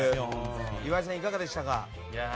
岩井さん、いかがでしたか？